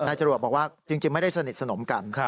จรวดบอกว่าจริงไม่ได้สนิทสนมกัน